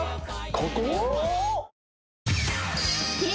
ここ？